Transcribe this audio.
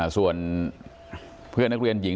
ส่วนเพื่อนนักเรียนหญิง